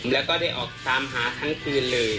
แล้วก็ได้ออกตามหาทั้งคืนเลย